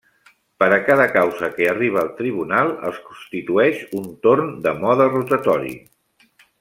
Per a cada causa que arriba al Tribunal es constitueix un torn de mode rotatori.